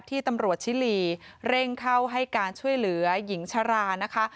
ที่ตำรวจชิลีเร่งเข้าให้การช่วยเหลือหญิงชรานะคะ